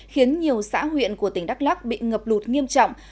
khiến nhiều xã huyện của tỉnh đắk lắc bị ngập lụt nghiêm trọng